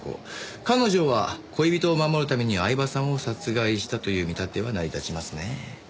彼女は恋人を守るために饗庭さんを殺害したという見立ては成り立ちますね。